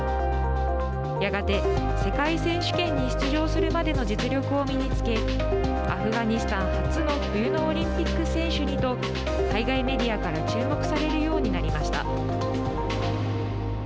やがて、世界選手権に出場するまでの実力を身に付けアフガニスタン初の冬のオリンピック選手に、と海外メディアから注目されるようになりました。